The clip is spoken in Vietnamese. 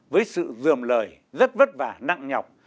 với sự dườm lời rất vất vả nặng nhọc